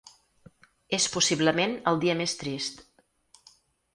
És possiblement el dia més trist.